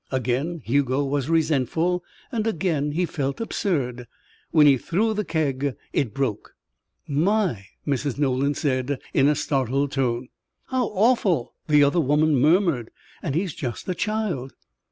Again Hugo was resentful and again he felt absurd. When he threw the keg, it broke. "My!" Mrs. Nolan said in a startled tone. "How awful!" the other woman murmured. "And he's just a child."